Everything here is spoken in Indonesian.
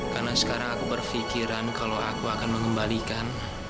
karena sekarang aku berfikiran kalau aku akan mengembalikan